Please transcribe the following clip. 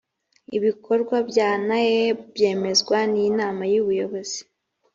ibikorwa bya naeb byemezwa n inama y’ ubuyobozi